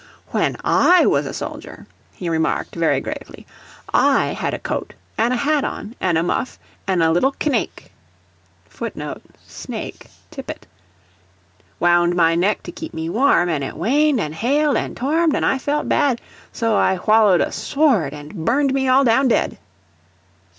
"When I was a soldier," he remarked, very gravely, "I had a coat an' a hat on, an' a muff an' a little knake [Footnote: Snake: tippet.] wound my neck to keep me warm, an' it wained, an' hailed, an' 'tormed, an' I felt bad, so I whallowed a sword an' burned me all down dead."